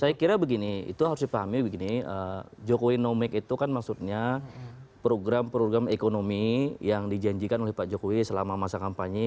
saya kira begini itu harus dipahami begini jokowi no make itu kan maksudnya program program ekonomi yang dijanjikan oleh pak jokowi selama masa kampanye